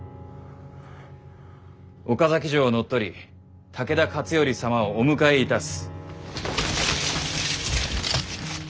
岡崎城を乗っ取り武田勝頼様をお迎えいたす！